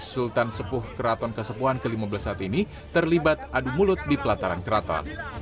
sultan sepuh keraton kasepuhan ke lima belas saat ini terlibat adu mulut di pelataran keraton